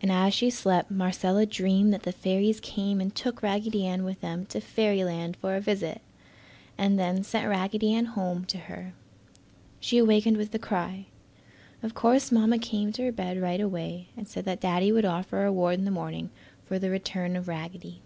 And as she slept Marcella dreamed that the fairies came and took Raggedy Ann with them to fairyland for a visit, and then sent Raggedy Ann home to her. She awakened with a cry. Of course Mamma came to her bed right away and said that Daddy would offer a reward in the morning for the return of Raggedy.